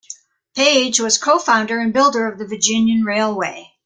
Page was co-founder and builder of the Virginian Railway.